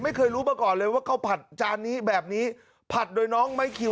ไม่เคยรู้มาก่อนเลยว่าข้าวผัดจานนี้แบบนี้ผัดโดยน้องไม้คิว